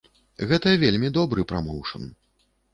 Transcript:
Гэта вельмі добры прамоўшн.